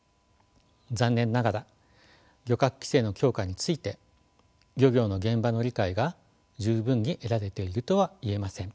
残念ながら漁獲規制の強化について漁業の現場の理解が十分に得られているとは言えません。